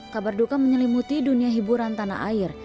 kabarduka menyelimuti dunia hiburan tanah air